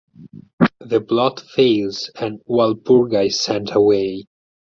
The plot fails and Walpurga is sent away.